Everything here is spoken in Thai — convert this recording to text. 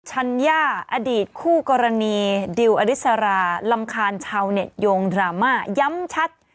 ชัญญาอดีตคู่กรณีดิวอริสรารำคาญชาวเน็ตโยงดราม่าย้ำชัด